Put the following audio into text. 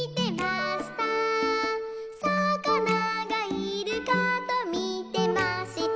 「さかながいるかとみてました」